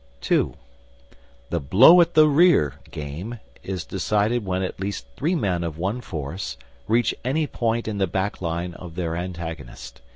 (2) The Blow at the Rear game is decided when at least three men of one force reach any point in the back line of their antagonist.